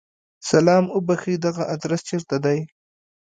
سلام! اوبښئ! دغه ادرس چیرته دی؟